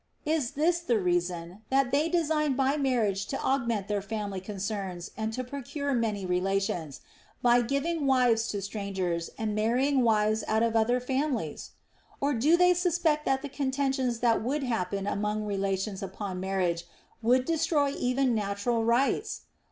Is this the reason, that they design by mar riage to augment their family concerns and to procure many relations, by giving wives to strangers and marrying THE ROMAN QUESTIONS. 261 wives out of other families 1 Or do they suspect that the contentious that would happen among relations upon mar riage would destroy even natural rights